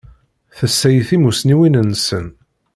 Tessaɣ timussniwin nsen.